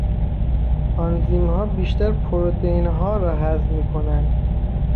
آنزیمها بیشتر پروتئینها را هضم میکنند.